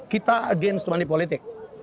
kita menentang manipulasi politik